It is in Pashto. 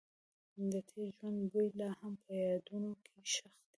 د تېر ژوند بوی لا هم په یادونو کې ښخ دی.